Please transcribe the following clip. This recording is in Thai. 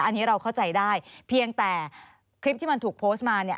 อันนี้เราเข้าใจได้เพียงแต่คลิปที่มันถูกโพสต์มาเนี่ย